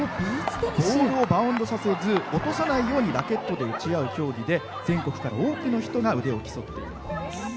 ボールはバウンドさせず落とさないようにラケットで打ち合う競技で全国から多くの人が腕を競っています。